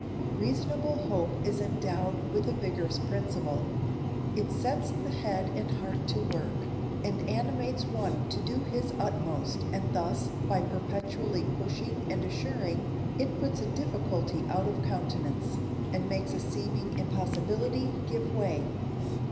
Reasonable hope is endowed with a vigorous principle; it sets the head and heart to work, and animates one to do his utmost, and thus, by perpetually pushing and assuring, it puts a difficulty out of countenance, and makes a seeming impossibility give way.